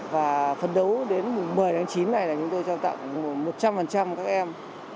và phân đấu đến một mươi tháng chín này là chúng tôi trao tặng một trăm linh các em